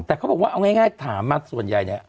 แต่เขาบอกว่าเอาง่ายถามมาส่วนใหญ่เนี่ย